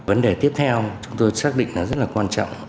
vấn đề tiếp theo chúng tôi xác định là rất là quan trọng